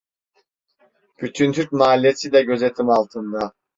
Bütün Türk mahallesi de gözetim altında.